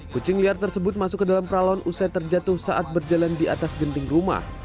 kucing liar tersebut masuk ke dalam peralon usai terjatuh saat berjalan di atas genting rumah